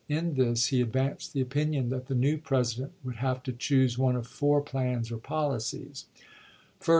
In this he advanced the opinion tliat the new President would have to choose one of four plans or policies : 1st.